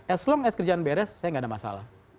as long as kerjaan beres saya tidak ada masalah